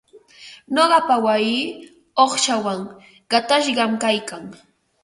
Nuqapa wayii uqshawan qatashqam kaykan.